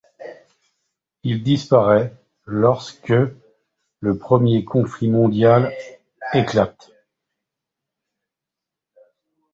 Il disparaît lorsque le premier conflit mondial éclate.